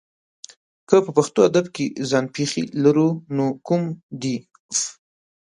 که په پښتو ادب کې ځان پېښې لرو نو کوم دي؟